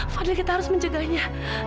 fadil kita harus menjaganya